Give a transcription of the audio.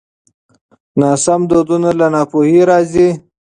ناسم دودونه له ناپوهۍ راځي.